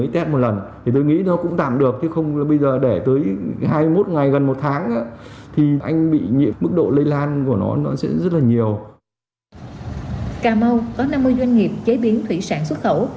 cà mau có năm mươi doanh nghiệp chế biến thủy sản xuất khẩu